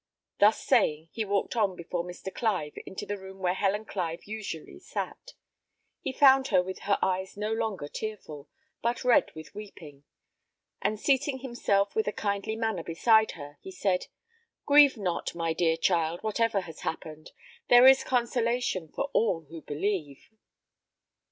Thus saying, he walked on before Mr. Clive into the room where Helen Clive usually sat. He found her with her eyes no longer tearful, but red with weeping; and seating himself with a kindly manner beside her, he said, "Grieve not, my dear child, whatever has happened. There is consolation for all who believe."